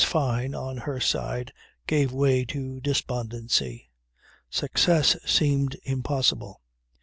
Fyne on her side gave way to despondency. Success seemed impossible.